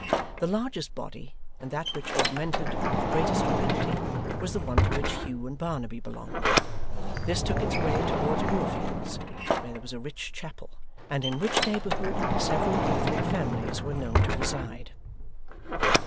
The largest body, and that which augmented with the greatest rapidity, was the one to which Hugh and Barnaby belonged. This took its way towards Moorfields, where there was a rich chapel, and in which neighbourhood several Catholic families were known to reside.